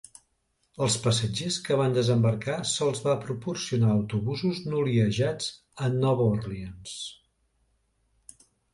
Als passatgers que van desembarcar se'ls va proporcionar autobusos noliejats a Nova Orleans.